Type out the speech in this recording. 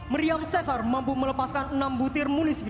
meriam cesar mampu melepaskan enam butir munis